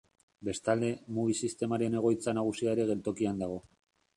Bestalde, Mugi sistemaren egoitza nagusia ere geltokian dago.